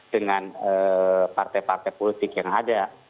dengan partai partai politik yang ada